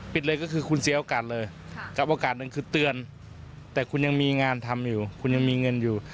เลยก็คือคุณเสียโอกาสเลยกับโอกาสหนึ่งคือเตือนแต่คุณยังมีงานทำอยู่คุณยังมีเงินอยู่